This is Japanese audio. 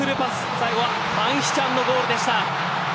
最後はファン・ヒチャンのゴールでした。